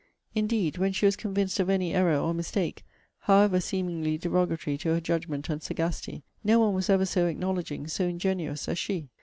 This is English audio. Indeed, when she was convinced of any error or mistake, (however seemingly derogatory to her judgment and sagacity,) no one was ever so acknowledging, so ingenuous, as she.